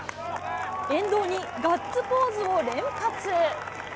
沿道にガッツポーズを連発。